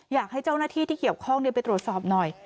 อยากให้เจ้าหน้าที่ที่เกี่ยวข้องไปตรวจสอบหน่อย